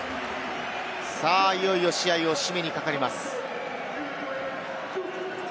さぁ、いよいよ試合を締めにかかります。